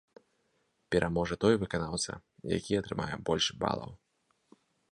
Пераможа той выканаўца, які атрымае больш балаў.